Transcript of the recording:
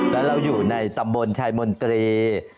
แล้วเราอยู่ในตำบลชายมนตรี